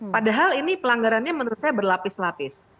padahal ini pelanggarannya menurut saya berlapis lapis